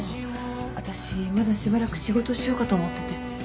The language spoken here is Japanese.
私まだしばらく仕事しようかと思ってて。